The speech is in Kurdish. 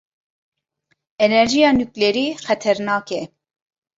Enerjiya nuklerî xeternak e.